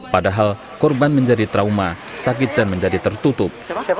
padahal korban menjadi trauma sakit dan menjadi tertutup